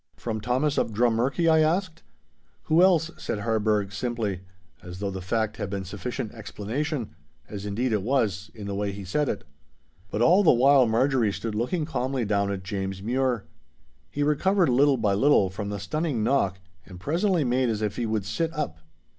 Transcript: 'From Thomas of Drummurchie?' I asked. 'Who else?' said Harburgh, simply, as though the fact had been sufficient explanation; as, indeed, it was—in the way he said it. But all the while Marjorie stood looking calmly down at James Mure. He recovered little by little from the stunning knock, and presently made as if he would sit up.